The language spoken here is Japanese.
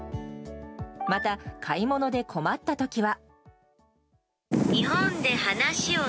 また、買い物で困った時は。